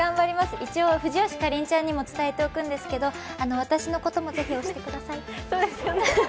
一応、藤吉夏鈴ちゃんにも伝えておくんですけど私のこともぜひ推してください。